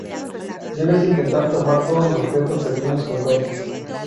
Debes intentar tomar todos los objetos pequeños que encuentres.